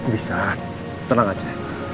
bisa tenang aja